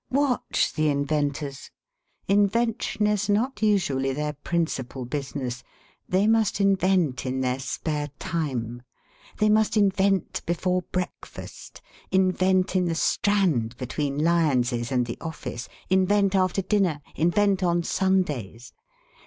Watch the inventors. Invention is not usually their principal business. They must invent in their spare time. They must invent before breakfast, invent in the Strand between Lyons's and the office, invent after dinner, invent on Sundays.